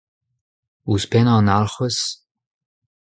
Ouzhpennañ un alcʼhwez ?